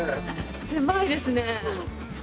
狭いですね。